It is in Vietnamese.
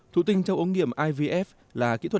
thủ tinh trong ống nghiệm ivf là kỹ thuật